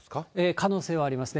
可能性はありますね。